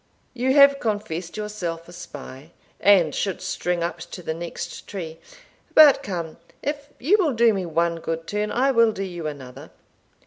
You have confessed yourself a spy, and should string up to the next tree But come, if you will do me one good turn, I will do you another.